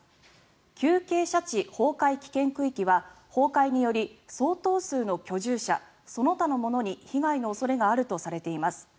急傾斜地崩壊危険区域は崩壊により相当数の居住者、その他の者に被害の恐れがあるとされています。